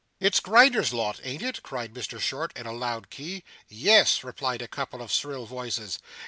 'It's Grinder's lot, an't it?' cried Mr Short in a loud key. 'Yes,' replied a couple of shrill voices.